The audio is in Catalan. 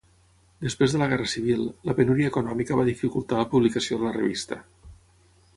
Després de la guerra civil, la penúria econòmica va dificultar la publicació de la revista.